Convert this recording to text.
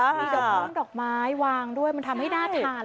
มีดอกม่วงดอกไม้วางด้วยมันทำให้น่าทาน